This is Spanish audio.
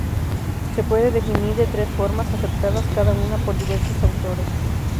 Se puede definir de tres formas, aceptadas cada una por diversos autores.